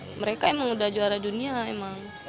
ya mereka emang udah juara dunia emang